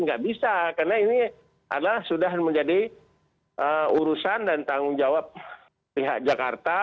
nggak bisa karena ini adalah sudah menjadi urusan dan tanggung jawab pihak jakarta